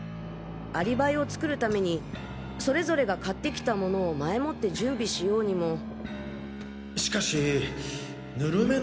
アリバイを作るためにそれぞれが買って来たものを前もって準備しようにも。